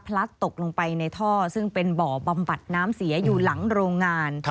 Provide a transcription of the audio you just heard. ลัดตกลงไปในท่อซึ่งเป็นบ่อบำบัดน้ำเสียอยู่หลังโรงงาน